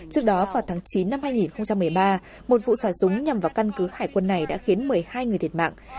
trước đó vào tháng chín năm hai nghìn một mươi ba một vụ xả súng nhằm vào căn cứ hải quân này đã khiến một mươi hai người thiệt mạng